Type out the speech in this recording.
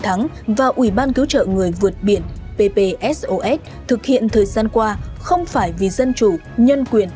thắng và ủy ban cứu trợ người vượt biển thực hiện thời gian qua không phải vì dân chủ